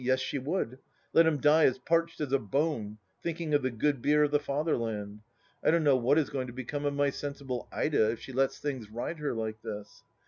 Yes she would— let him die as parched as a bone, thinking of the good beer of the Father land. I don't know what is going to become of my sensible Ida if she lets things ride her like this